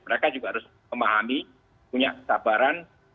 mereka juga harus memahami punya kesabaran